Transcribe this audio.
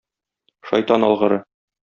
Шайтан алгыры!